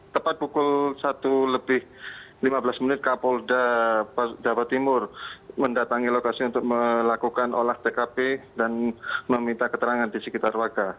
tepat pukul satu lebih lima belas menit kapolda jawa timur mendatangi lokasi untuk melakukan olah tkp dan meminta keterangan di sekitar warga